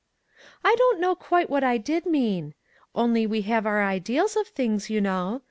"I don't know quite what I did mean. Only we have our ideals of things, you know.